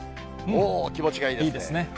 気持ちがいいですね。